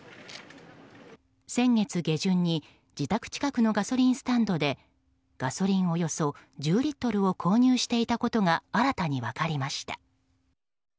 先月下旬に自宅近くのガソリンスタンドでガソリンおよそ１０リットルを購入していたことが新たに分かりました。